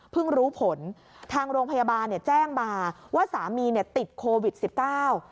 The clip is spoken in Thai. รู้ผลทางโรงพยาบาลเนี่ยแจ้งมาว่าสามีเนี่ยติดโควิดสิบเก้า